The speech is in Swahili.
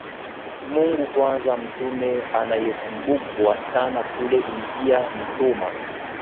Mungu kwanza Mtume anayekumbukwa sana kule India ni Thoma